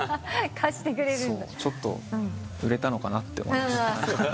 ちょっと売れたのかなって思いました。